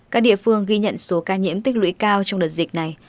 các địa phương ghi nhận số ca nhiễm tích lũy cao trong đợt dịch này